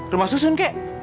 rumah susun ke